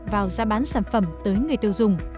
vào gia bán sản phẩm tới người tiêu dùng